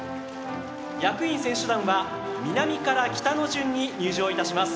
役員・選手団は南から北の順に入場いたします。